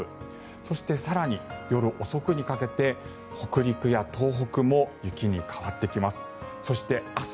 そして、更に夜遅くにかけて北陸や東北も雪に変わってきます。